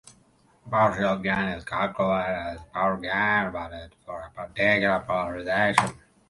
Partial gain is calculated as power gain, but for a particular polarization.